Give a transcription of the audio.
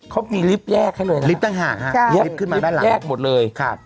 เขามีลิฟต์แยกให้เลยนะครับลิฟต์ตั้งห่างครับลิฟต์ขึ้นมาด้านหลังลิฟต์แยกหมดเลยนะครับ